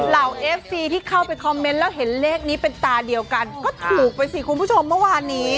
เอฟซีที่เข้าไปคอมเมนต์แล้วเห็นเลขนี้เป็นตาเดียวกันก็ถูกไปสิคุณผู้ชมเมื่อวานนี้